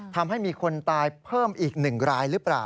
ทำให้มีคนตายเพิ่มอีก๑รายหรือเปล่า